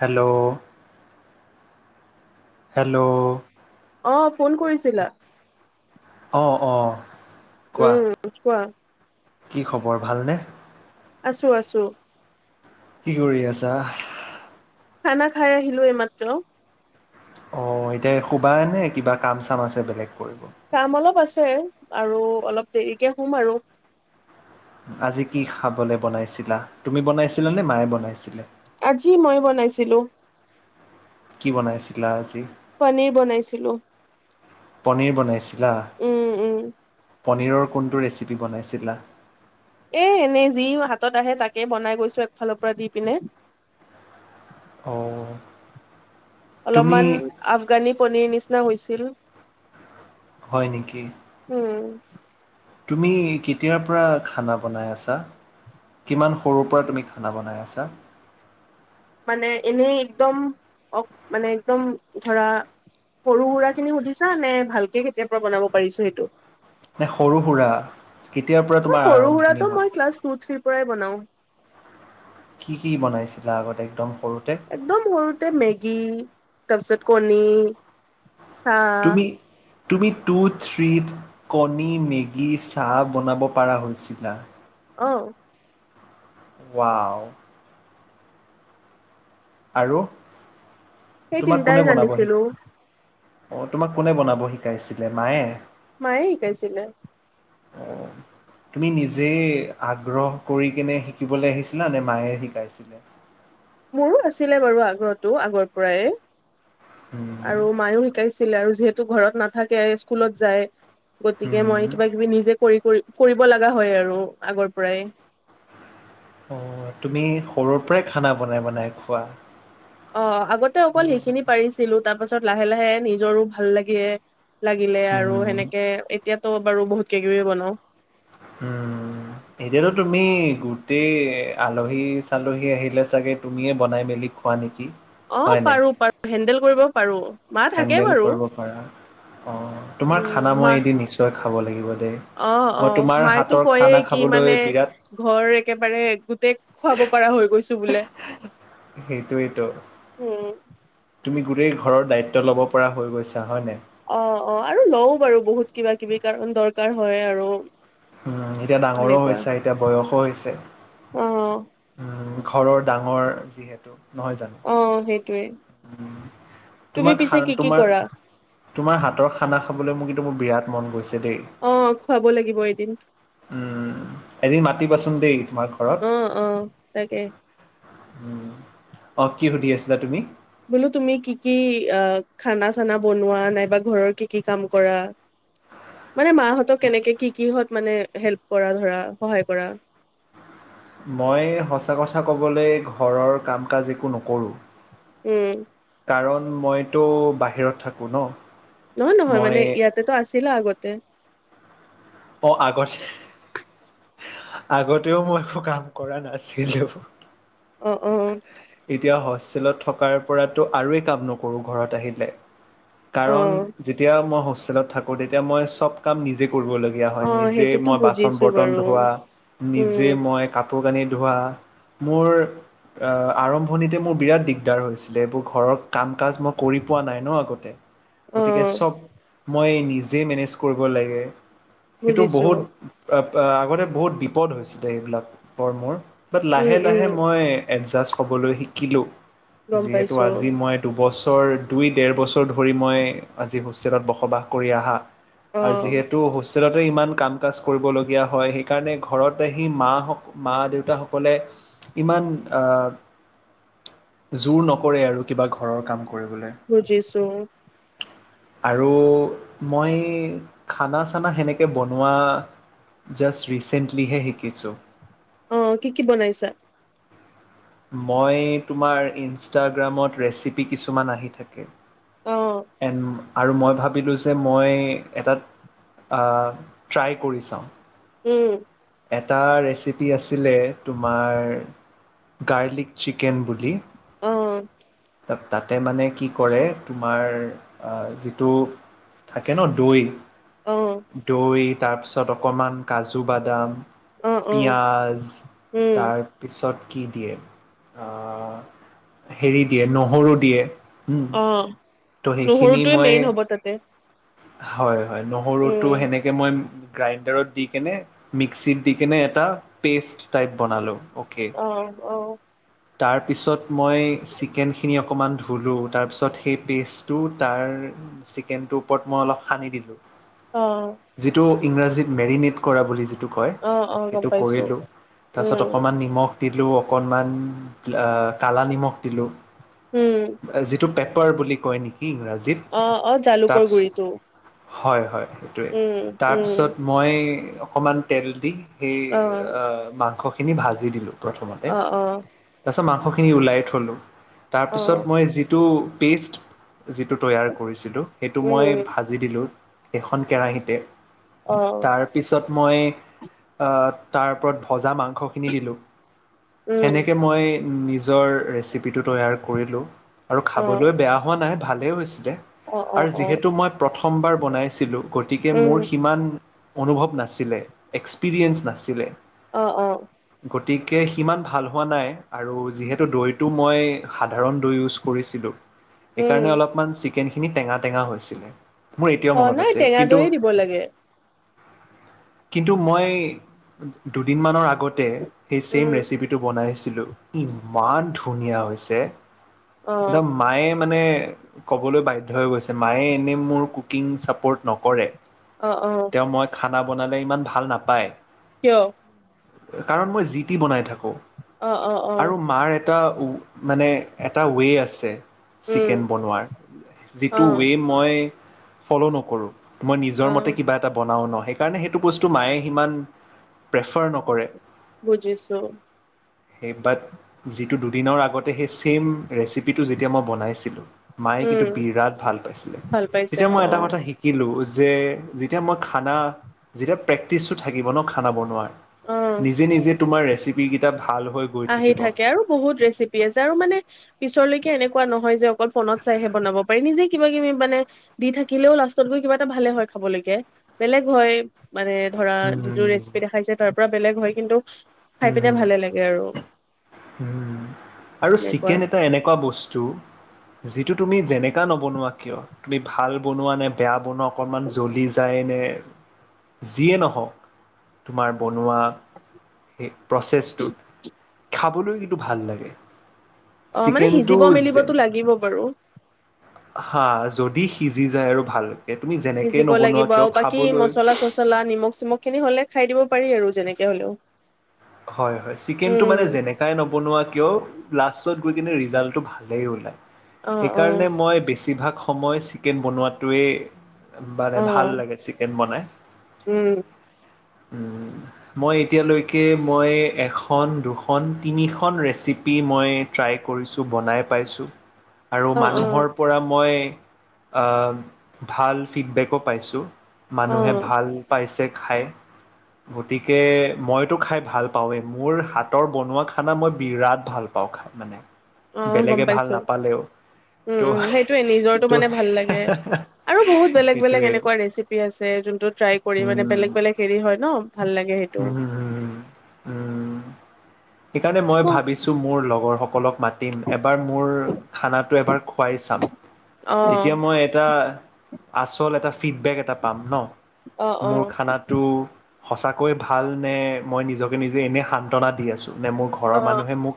Hello hello অ phone কৰিছিলা? অঁ অঁ কোৱা। বুজি পোৱা কি খবৰ ভাল নে? আছো আছো। কি কৰি আছা? খানা খাই আহিলো এইমাত্ৰ। অ এতিয়া শুবানে কিবা কাম চাম আছে বেলেগ কৰি কাম অলপ আছে আৰু অলপ দেৰিকে শুম আৰু। আজি কি খাবলে বনাইছিলা, তুমি বনাইছিলা নে মায়ে বনাইছিলে? আজি মই বনাইছিলোঁ। কি বনাইছিলা আজি? পনীৰ বনাইছিলোঁ। পনীৰ বনাইছিলা উম উম পনীৰৰ কোনটো ৰেচিপি বনাইছিলা? এ এনেই যি হাতত আহে তাকে বনাই গৈছো একফালৰ পৰা দি পিনে। অ অলপমান আফগানী পনিৰ নিচিনা হৈছিল। হয় নেকি উম। তুমি কেতিয়াৰ পৰা খানা বনাই আছা? কিমান সৰুৰ পৰা তুমি খানা বনাই আছা? মানে এনেই একদম মানে একদম ধৰা সৰু-সুৰা খিনি সুধিছা নে ভালকে কেতিয়া পৰা বনাব পাৰিছো সেইটো? নে সৰু-সুৰা কেতিয়াৰ পৰা তোমাৰ আৰম্ভণি হ'ল? ক্লাচ টু-থ্ৰি পৰাই বনাও। কি-কি বনাইছিলা আগতে একদম সৰুতে? একদম সৰুতে মেগী তাৰপিছত কণী। চাহ তুমি, তুমি টু থ্ৰীত কণী মেগী চাহ বনাব পৰা হৈছিলা? অ, ৱাও। আৰু সেই তোমাক তিনটাই কোনে বনাব শি জানিছিলো অঁ, তোমাক কোনে বনাব শিকাইছিলে মায়ে? মায়ে শিকাইছিলে। অ তুমি নিজে আগ্ৰহ কৰি কেনে শিকিবলৈ আহিছিলা নে মায়ে শিকাইছিলে? মোৰো আছিলে বাৰু আগ্ৰহটো আগৰ পৰাই উম আৰু মায়ো শিকাইছিলে আৰু যিহেতু ঘৰত নাথাকে স্কুলত যায় গতিকে উম মই কিবা কিবি নিজে কৰি কৰি কৰিব লগা হয় আৰু আগৰ পৰাই। অ, তুমি সৰুৰ পৰাই খানা বনাই-বনাই খোৱা? অ, আগতে অকল সেইখিনি পাৰিছিলো তাৰ পাছত লাহে লাহে নিজৰো ভাল লাগে। লাগিলে আৰু উম সেনেকে এতিয়াতো বাৰু বহুত কিবা-কিবি বনাও। উম, এতিয়াতো তুমি গোটেই আলহী-চালহী আহিলে চাগে তুমিয়ে বনাই মেলি খোৱা নেকি? অ। হয় নাই? পাৰো পাৰো হেন্দেল কৰিব পাৰো। মা থাকে হেণ্ডেল বাৰু কৰিব পাৰা অঁ, তোমাৰ উম, খানা মা মই এদিন নিশ্চয় খাব লাগিব দেই। অ- অ মই তোমাৰ মায় তো হাতৰ কয়ে খানা কি খাবলৈ মানে বিৰাট ঘৰ একেবাৰে গোটেই খুৱাব পাৰা হৈ গৈছো বোলে। সেইটোৱেইেতো। উম, তুমি গোটেই ঘৰৰ দায়িত্ব ল'ব পৰা হৈ গৈছা হয় নাই? অ-অ আৰু লও বাৰু বহুত কিবা-কিবি কাৰণ দৰকাৰ হয় আৰু। অ এতিয়া ডাঙৰো সেনেকুৱা। হৈছে এতিয়া বয়সো হৈছে। অ, অ, ঘৰৰ ডাঙৰ যিহেতু। নহয় অ', সেইটোৱে জানো? তুমি তোমাৰ পিছে কি খানা কি তোমাৰ কৰা? তোমাৰ হাতৰ খানা খাবলৈ মোৰ কিন্তু মোৰ বিৰাট মন গৈছে দেই। অ, খুৱাব লাগিব এদিন। উম, এদিন মাতিবাচোন দেই তোমাৰ ঘৰত। অ-অ তাকে। অঁ, কি সুধি আছিলা তুমি? বোলো তুমি কি কি আ, খানা চানা বনোৱা নাইবা ঘৰৰ কি কি কাম কৰা? মানে মাহঁতক কেনেকে কি কিহত মানে হেল্প কৰা ধৰা সহায় কৰা মই সঁচা কথা ক'বলে ঘৰৰ কাম কাজ একো নকৰোঁ উম কাৰণ মইতো বাহিৰত থাকোঁ ন নহয় নহয় মই মানে ইয়াতেতো আছিলা আগতে অহ আগতে আগতেও মই একো কাম কৰা নাছিলোঁ। অ', অ'। এতিয়া হষ্টেলত থকাৰ পৰাতো আৰুৱে কাম নকৰোঁ ঘৰত আহিলে। অ কাৰণ যেতিয়া মই হোষ্টেলত থাকোঁ, তেতিয়া মই চব কাম নিজে কৰিব ল লগিয়া হয়, অ নিজে সেইটোতো মই বাচন বুজিছো বৰ্তন বাৰু ধোৱা, নিজে উম মই কা কাপোৰ কানি ধোৱা, মোৰ আ, আৰম্ভণিতে মোৰ বিৰাট দিগদাৰ হৈছিলে, এইবোৰ ঘৰৰ কাম কাজ মই কৰি পোৱা নাই ন' আগতে। অ গতিকে চব মই নিজে মেনেজ কৰিব লাগে। সেইটো বুজিছো বহুত, [unintelligible] আগতে বহুত বিপদ হৈছিলে এইবিলাকৰ মোৰ। বাত উম লাহে, উম লাহে মই এডজাষ্ট হ'বলৈ শিকিলোঁ, গম যিহেতু পাইছো আজি মই দুবছৰ দুই, ডেৰ বছৰ ধৰি মই আজি হোষ্টেলত বসবাস কৰি আহা। অ আৰু যিহেতু হোষ্টেলতে ইমান কাম কাজ কৰিবলগীয়া হয়, সেইকাৰণে ঘৰত আহি মাহ মা, দেউতাসকলে ইমান আ জোৰ নকৰে আৰু, কিবা ঘৰৰ কাম কৰিবলে। বুজিছোঁ। আৰু মই খানা চানা সেনেকে বনোৱা, জাষ্ট ৰিচেণ্টলিহে শিকিছোঁ। অ', কি, কি বনাইছা? মই তোমাৰ ইনষ্টাগ্ৰামত ৰেচেপি কিছুমান আহি থাকে। অ এন আৰু মই ভাবিলোঁ যে, মই এটাত আ, ট্ৰাই কৰি চাওঁ। উম। এটা ৰেচেপি আছিলে তোমাৰ গাৰ্লিক চিকেন বুলি। অ'। তাতে মানে কি কৰে আ, তোমাৰ যিটো থাকে ন' দৈ, অ দৈ তাৰপিছত অকমান কাজু বাদাম। অ অ পিঁয়াজ, উম তাৰ পিছত কি দিয়ে আ, হেৰি দিয়ে নহৰু দিয়ে। হম, অ ত' সেইখিনি নহৰুটোৱে মই মেইন হ'ব তাতে হয়, হ‌য়, নহৰুটো উম সেনেকে মই গ্ৰাইণ্ডাৰত দি কেনে, মিক্সিত দি কেনে, এটা পেষ্ট টাইপ বনালোঁ অ' অ', অ'। তাৰপিছত মই চিক খিনি অকণমান ধুলোঁ, তাৰপিছত সেই পেষ্টটো তাৰ চিকেনটোৰ ওপৰত মই অলপ সানি দিলোঁ। অ'। যিটো, ইংৰাজীত মেৰিনেট কৰা বুলি যিটো কয়। অ অ গম সেইটো পাইছো কৰিলোঁ, উম তাৰপিছত অকমান নিমখ দিলোঁ অকনমান, আ, কালা নিমখ দিলোঁ। উম। যিটো পেপাৰ বুলি কয় নিকি ইংৰাজীত? অ', অ', জালুকৰ তাৰপিছত গুৰিটো। হয়, হয়, সেইটোৱে, উম উম তাৰপিছত মই অকমান তেল দি সেই অ এ, মাংসখিনি ভাজি দিলোঁ, প্ৰথমতে। অ অ তাৰপিছত মাংসখিনি ওলাই থ'লো। অ তাৰপিছত মই যিটো পেষ্ট, যিটো তৈয়াৰ কৰিছিলোঁ। সেইটো মই উম ভাজি দিলোঁ, এখন কেৰাহীতে। উম তাৰ পিছত মই এ, তাৰ ওপৰত ভজা মাংস খিনি দিলোঁ। সেনেকে মই নিজৰ ৰেচিপিটো তৈয়াৰ কৰিলোঁ, আৰু অ খাবলৈ বেয়া হোৱা নাই, ভালেই হৈছিলে। অ অ আৰু অ যিহেতু মই প্ৰথমবাৰ বনাইছিলোঁ, গতিকে উম মোৰ সিমান অনুভৱ নাছিলে, এক্সপিৰিয়েঞ্চ নাছিলে। অ', অ'। গতিকে সিমান ভাল হোৱা নাই, আৰু যিহেতু দৈটো মই সাধাৰণ দৈ ইউজ কৰিছিলোঁ। উম সেইকাৰণে অলপমান চিকেনখিনি টেঙা টেঙা হৈছিলে। মোৰ এতিয়াও অ মনত নাই আছে, টেঙা কিন্তু দৈয়ে দিব লাগে কিন্তু, মই দুদিনমানৰ আগতে সেই চছেইম উম ৰেচিপিটো বনাইছিলোঁ। ইমান ধুনীয়া হৈছে। অ একদম মায়ে মানে ক'বলৈ বাধ্য হৈ গৈছে। মায়ে এনে মোৰ কুকিং চাপৰ্ট নকৰে। অ', অ'। তেওঁ মই খানা বনালে ইমান ভাল নাপায়। কিয়? কাৰণ মই যি টি বনাই থাকো। অ অ অ আৰু মাৰ এটা ও মানে এটা ৱে আছে, উম চিকেন বনোৱাৰ। অ যিটো ৱে মই ফ'ল নকৰোঁ। মই নিজৰ অ মতে কিবা এটা বনাওক ন' সেই কাৰণে সেইটো বস্তু মায়ে সিমান প্ৰেফাৰ নকৰে। বুজিছোঁ। সেই বাট, যিটো দুদিনৰ আগতে সেই চেইম ৰেচিপিটো যেতিয়া মই বনাইছিলোঁ। মায়ে কিন্তু উম বিৰাট ভাল পাইছিলে। ভাল পাইছে তেতিয়া অ মই অ এটা কথা শিকি লোঁ যে যেতিয়া মই খানা, যেতিয়া প্ৰেক্টিচটো থাকিব ন' খানা বনোৱাৰ। অ নিজে নিজে তোমাৰ ৰেচিপি কেইটা ভাল হৈ গৈ আহি থাকিব থাকে আৰু বহুত ৰেচিপি আছে আৰু মানে পিছৰলৈকে এনেকুৱা নহয় যে অকল ফ'নত চাইহে বনাব পাৰি নিজে কিবা কিবি মানে দি থাকিলেও লাষ্টত গৈ কিবা এটা ভালে হয়, খাবলৈকে। বেলেগ হয়। মানে ধৰা যিটো ৰেচিপি দেখাইছে তাৰ পৰা বেলেগ হয় কিন্তু, খাই পিনে ভালে লাগে আৰু। উম, আৰু সেনেকুৱা চিকেন এটা এনেকুৱা বস্তু যিটো তুমি যেনেকা নবনোৱা কিয় তুমি ভাল বনোৱা নে বেয়া বনোৱা, অকণমান জ্বলি যায় নে যিয়ে ন'হওক তোমাৰ বনোৱা সেই প্ৰচেছটোত। খাবলৈ কিন্তু ভাল লাগে। অ মানে চিকেনটো সিজিব মেলিবতো যেনে লাগিব বাৰু হা যদি সিজি যায় আৰু ভালকে, তুমি যেনেকে সিজিব নবনোৱা লাগিব কিয় আৰু বাকী খাবলৈ মচলা নিমখ-চিমখ খিনি হ'লে খাই দিব পাৰি আৰু যেনেকে হ'লেও। হয়, হয়, চিকেনটো উম মানে যেনেকে ই নবনোৱা কিয় লাষ্টত গৈ কিনে ৰিজাল্টটো ভালেই ওলায়। অ অ সেইকাৰণে মই বেছিভাগ সময় চিকেন বনোৱাটোৱেই মানে অ ভাল লাগে চিকেন বনাই। উম। উ মই এতিয়ালৈকে মই এখন দুখন, তিনি খন ৰেচিপি মই ট্ৰাই কৰিছো বনাই পাইছো। [inaudible] আৰু অ মানুহৰ পৰা মই আ ভাল ফিডবেকো পাইছো। অ মানুহে ভাল পাইছে খাই গতিকে মইতো খাই ভাল পাওঁৱে মোৰ হাতৰ বনোৱা খানা মই বিৰাট ভাল পাওঁ খাই মানে। অ গম বেলেগে ভাল পাইছো। নাপালেও উ, ত উ, হেইটোয়ে নিজৰটো ত মানে ভাল লাগে আৰু বহুত বেলেগ বেলেগ সেইটোৱে এনেকুৱা ৰেচিপ কৰি আছে যোনটো ট্ৰাই কৰি মানে বেলেগ হেৰি হয় ন ভাল লাগে হে উ, উ, উ উম সেইকাৰণে মই অ ভাবিছ মোৰ লগৰসকলক মাতিম এবাৰ মোৰ খানাটো এবাৰ খুৱাই চাম। অ তেতিয়া মই এটা আচল এটা ফিডবেক এটা পাম ন। অ মোৰ খানাটো। সঁচাকৈ ভাল নে মই নিজকে নিজে এনে সান্তনা দি আছো নে মোক অ ঘৰৰ মানুহে মোক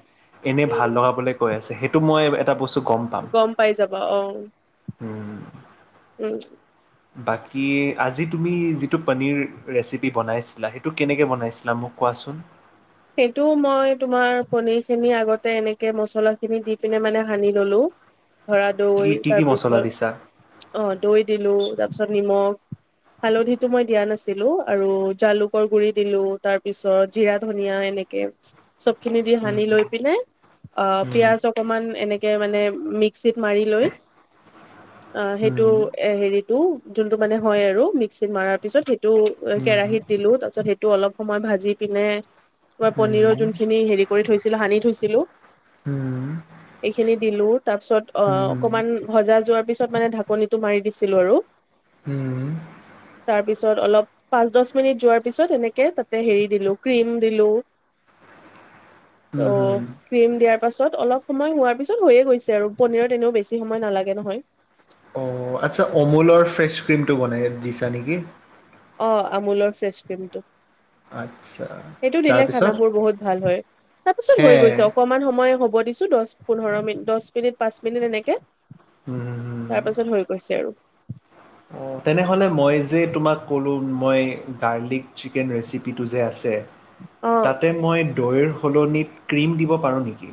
এনে ভাল উম লগাবলে কৈ আছে সেইটো মই এটা বস্তু গম পাম গম পাই যাবা অ। [inaudible] উ বাকী আজি তুমি যিটো পনীৰ ৰেচিপি বনাইছ - ছিলা সেইটো কেনেকে বনাইছিলা মোক কোৱাচোন সেইটো মই তোমাৰ পনিৰ খিনি আগতে এনেকে মছলা খিনি দি পিনে মানে সানি ললো। ধৰা কি দৈ কি কি মছলা দিছা তাৰপিছত অ দৈ দিলো তাৰপিছত নিমখ হালধি টো মই দিয়া নাছিলো আৰু জালুকৰ গুৰি দিলো তাৰ পিছত জিৰা ধন নিয়া এনেকে চব খিনি দি উম, সানি লৈ পিনে আ উম, পিয়াজ অক কমান এনেকে মানে মিক্সিত মাৰি লৈ আ হেইটো উম, এ হেৰিতটো যোনটো মানে হয় আৰু মিক্সিত মাৰাৰ পিছত হেইটো উম। কেৰাহিত দিলো তাৰ পিছত হেইটো অলপ সময় ভাজি পিনে মই পনীৰ যোনখিনি হেৰি কৰি থৈছিলো সানি থৈছিলো। উ, [inaudible] এইখিনি দিলো তাৰ পিছত অ অকমান ভজা যোৱাৰ পিছত মানে ঢাকনিটো মাৰি দিছিলো আৰু। [inaudible] উ, তাৰ পিছত অলপ পাঁচ দচ মিনিট যোৱাৰ পিছত এনেকে তাতে হেৰি দিলো ক্ৰীম। দিলো ত। ক্ৰীম দিয়াৰ পাছত অলপ সময় হোৱাৰ পিছত হৈয়ে গৈছে আৰু পনীৰত এনেও বেছি সময় নালাগে নহয়। অ আচ্ছা অমুলৰ ফ্ৰেছ ক্ৰীমটো বনাই দিছা নেকি? অ আমুলৰ ফেচ ক্ৰীমটো। আতছা। হেইটো দিলে খান বোৰ বহুত ভাল হয় তাৰ পিছত হে হৈ গৈছে অকনমান সময় হ'ব দিছ। চো দচ পোন্ধৰ মিনিট দছ মিনিট পাঁচ মিনিট এনেকে উ, উ, তাৰ পাছত হৈ গৈছে আৰু। অ তেনেহ'লে মই যে তোমাক ক'লো মই দাৰলিক চিকেন ৰেচিপিটো যে আছে। অ তাতে মই দৈৰ সলনিত ক্ৰীম দিব পাৰো নেকি?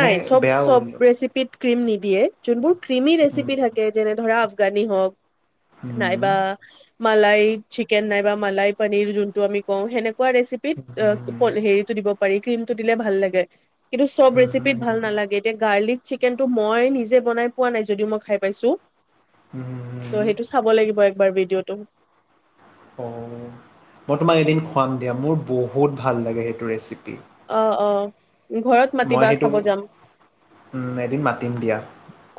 নে চব বেয়া হ'ব চব নেকি? ৰেচিপিত ক্ৰীম নিদিয়ে যোনবোৰ ক্ৰীমি ৰেচিপি হুম, থাকে। যেনে ধৰা আফগানি হওঁক হুম, নাইবা মালাই চিকেন নাই বা মালাই পনীৰ যোনটো আমি কওঁ সেনেকুৱা ৰেচিপি পিত হুম, হুম, হেৰিটো দিব পাৰি, ক্ৰীম টো দিলে ভাল লাগে, কিন্তু চব হুম, ৰেচিপিত হুম, হুম, ভাল নালাগে। এতিয়া গাৰ্লিক চিকেন টো মই নিজে বনাই পোৱা নাই যদিও মই খাই পাইছোঁ। হুম। চাব লাগিব একবাৰ ভিডিঅ'টো। অ' মই তোমাক এদিন খুৱাম দিয়া, মোৰ বহুত ভাল লাগে সেইটো ৰেচিপি। অ', অ' ঘৰত মই মাতিবা সেইটো খাব যাম উম, এদিন মাতিম দিয়া।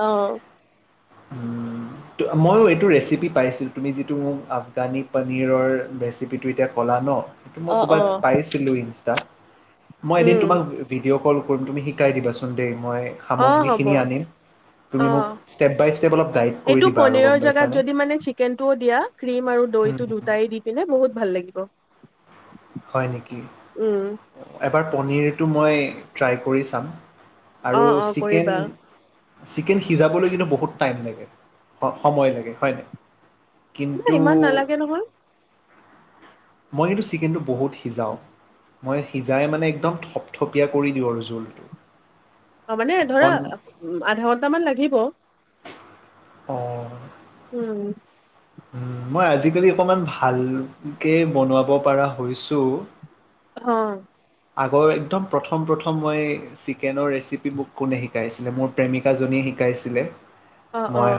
অ উম। মইয়ো এইটো ৰেচিপি পাইছিলোঁ তুমি যিটো মোক আফগানি পনীৰৰ ৰেচিপিটো এতিয়া ক'লা ন। এইটো মই অ অ ক'বাত পাইছিলো ইনষ্টাত। মই এদিন উম তোমাক ভিডিঅ' কল কৰিম তুমি শিকাই দিবাচোন দেই, মই অ হ'ব সামগ্ৰীখিনি আনিম। অ তুমি মোক ষ্টেপ বাই ষ্টেপ অলপ গাইড কৰি এইটো দিবা আৰু পনীৰৰ গ'ম জেগাত পাইছানে? যদি মানে চিকেনটোও দিয়া ক্ৰীম আৰু হুম, দৈটো হুম। দুটাই দি পিনে বহুত ভাল লাগিব। হয় নেকি? উম, এবাৰ পনীৰটো মই ট্ৰাই কৰি চাম। আৰু অ', অ', চিকেন কৰিবা চিকেন সিজাবলৈ কিন্তু বহুত টাইম লাগে সময় লাগে হয় নাই? নাই কিন্তু ইমান নালাগে নহয়। মই কিন্তু চিকেনটো বহুত সিজাও। মই সিজাই মানে একদম থপথপীয়া কৰি দিওঁ আৰু জোলটো। অ' মানে ধৰা অকণ উ আধা ঘন্টামান লাগিব। অ'। উম। উম মই আজিকালি অকনমান ভালকে বনোৱাব পৰা হৈছোঁ। অ'। আগৰ একদম প্ৰথম প্ৰথম মই চিকেনৰ ৰেচিপি মোক কোনে শিক শিকাইছিলে, মোৰ প্ৰেমিকাজনীয়ে শিকাইছিলে। অ', মই অ'।